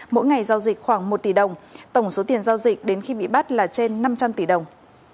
mỗi ngày giao dịch khoảng một tỷ đồng tổng số tiền giao dịch đến khi bị bắt là trên năm trăm linh tỷ đồng